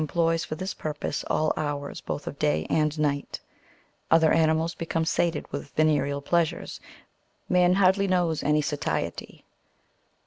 541 ploys for this purpose all hours both of day and night ; other animals become sated with venereal pleasures, man hardly knows any satiety.